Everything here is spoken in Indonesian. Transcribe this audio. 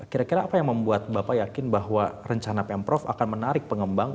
kira kira apa yang membuat bapak yakin bahwa rencana pemprov akan menarik pengembang